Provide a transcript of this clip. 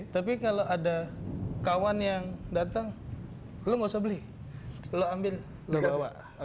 tapi kalau ada kawan yang datang lo gak usah beli lo ambil lo bawa